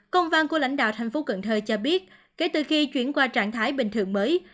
công văn của lãnh đạo thành phố cần thơ cho biết kể từ khi chuyển qua trạng thái bình thường mới